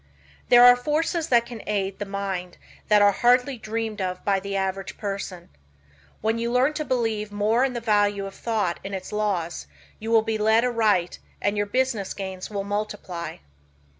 There are forces that can aid the mind that are hardly dreamed of by the average person. When you learn to believe more in the value of thought and its laws you will be led aright and your business gains will multiply.